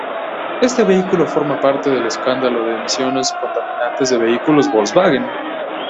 Este vehículo forma parte del Escándalo de emisiones contaminantes de vehículos Volkswagen.